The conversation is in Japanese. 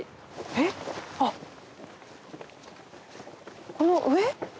えっあっこの上？